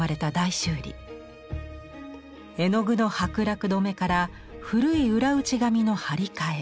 絵の具の剥落止めから古い裏打ち紙の貼り替え